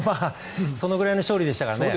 そのぐらいの勝利でしたからね。